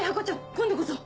今度こそ。